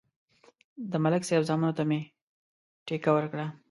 د ملک صاحب زامنو ته مې ټېکه ورکړه.